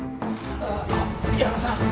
矢野さん